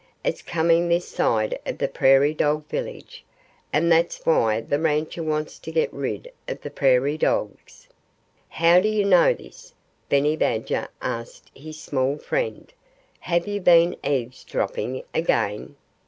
"It's coming this side of the Prairie Dog village. And that's why the rancher wants to get rid of the Prairie Dogs." "How do you know this?" Benny Badger asked his small friend. "Have you been eavesdropping again?"